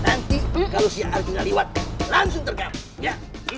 nanti kalau si arjuna lewat langsung tergap ya